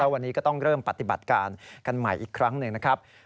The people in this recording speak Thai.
วันนี้ก็ต้องเริ่มปฏิบัติการกันใหม่อีกครั้งหนึ่งนะครับ